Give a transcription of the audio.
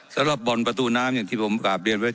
สำหรับบ่อนประตูน้ำอย่างที่ผมกลับเรียนไว้